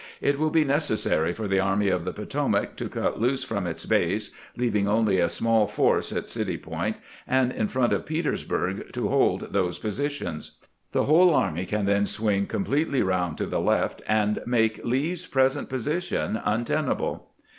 It will be necessary for the Army of the Potomac to cut loose from its base, leaving only a small force at City Point and in front of Petersburg to hold those positions. The whole army can then swing completely round to the left and make Lee's present position untenable."